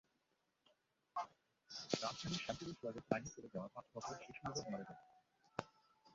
রাজধানীর শ্যামপুরে স্যুয়ারেজ লাইনে পড়ে যাওয়া পাঁচ বছরের শিশু নীরব মারা গেছে।